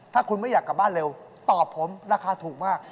ถ้าคุณไม่อยากกลับบ้านเร็วตอบผมราคาถูกมาก